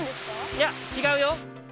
いやちがうよ。